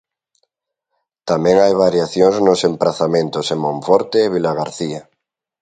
Tamén hai variacións nos emprazamentos en Monforte e Vilagarcía.